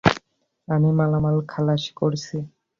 আমি মালামাল খালাস করছি।